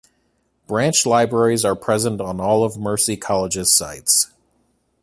Branch libraries are present on all of Mercy College's sites.